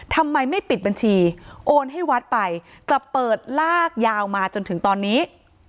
ทำไมไม่ปิดบัญชีโอนให้วัดไปกลับเปิดลากยาวมาจนถึงตอนนี้